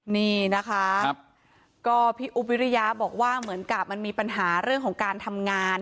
นี่นะคะก็พี่อุ๊บวิริยาบอกว่าเหมือนกับมันมีปัญหาเรื่องของการทำงาน